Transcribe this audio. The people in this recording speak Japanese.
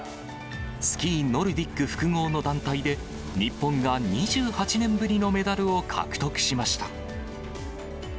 スキーノルディック複合の団体で、日本が２８年ぶりのメダルを獲得しました。